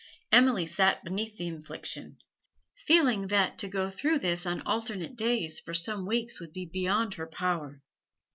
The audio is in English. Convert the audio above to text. Emily sat beneath the infliction, feeling that to go through this on alternate days for some weeks would be beyond her power.